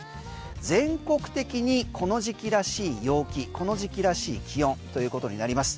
全国的にこの時季らしい陽気この時期らしい気温ということになります。